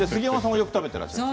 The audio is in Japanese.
よく食べてらっしゃるって。